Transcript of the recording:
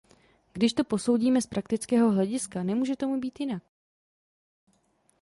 Když to posoudíme z praktického hlediska, nemůže tomu být jinak.